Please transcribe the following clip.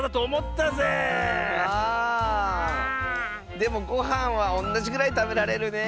でもごはんはおんなじぐらいたべられるねえ。